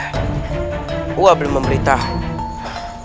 aku belum memberitahu